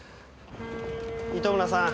糸村さん